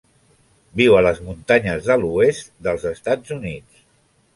Viu a les muntanyes de l'oest dels Estats Units.